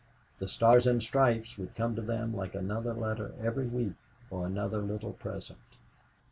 The Stars and Stripes would come to them like another letter every week or another little present."